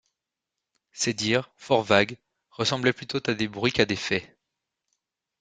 Ces dires, fort vagues, ressemblaient plutôt à des bruits qu’à des faits.